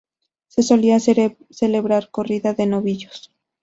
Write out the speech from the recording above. Se solía celebrar corrida de novillos.